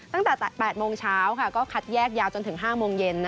ตั้งแต่๘โมงเช้าก็คัดแยกยาวจนถึง๕โมงเย็น